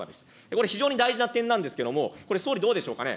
これ、非常に大事な点なんですけれども、これ総理、どうでしょうかね。